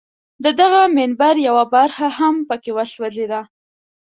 د دغه منبر یوه برخه هم په کې وسوځېده.